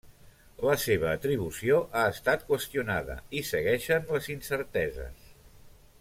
La seva atribució ha estat qüestionada i segueixen les incerteses.